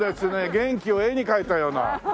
元気を絵に描いたような。